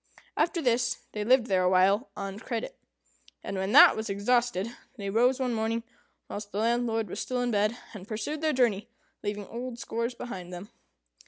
After this, they lived there awhile on credit; and when that was exhausted, they rose one morning whilst the landlord was still in bed, and pursued their journey, leaving old scores behind them.